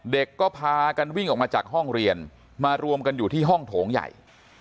เด็กก็พากันวิ่งออกมาจากห้องเรียนมารวมกันอยู่ที่ห้องโถงใหญ่